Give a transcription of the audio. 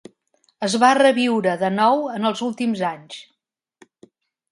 Es va reviure de nou en els últims anys.